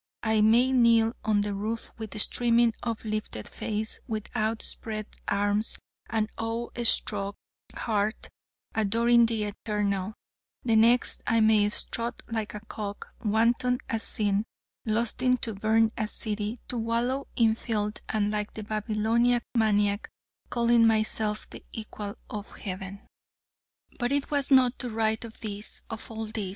I may kneel on the roof with streaming, uplifted face, with outspread arms, and awe struck heart, adoring the Eternal: the next, I may strut like a cock, wanton as sin, lusting to burn a city, to wallow in filth, and, like the Babylonian maniac, calling myself the equal of Heaven. But it was not to write of this of all this